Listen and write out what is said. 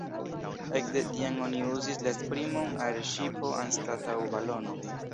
Ekde tiam oni uzis la esprimon aerŝipo anstataŭ balono.